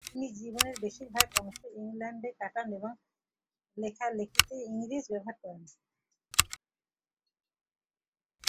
তিনি জীবনের বেশিরভাগ অংশ ইংল্যান্ডে কাটান এবং লেখালেখিতে ইংরেজি ব্যবহার করেন।